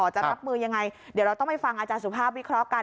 จะรับมือยังไงเดี๋ยวเราต้องไปฟังอาจารย์สุภาพวิเคราะห์กัน